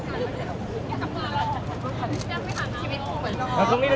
ดื่มดื่ม